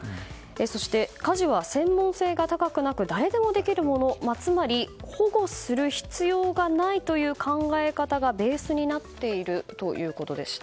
そして、家事は専門性が高くなく誰でもできるものつまり、保護する必要がないという考え方がベースになっているということでした。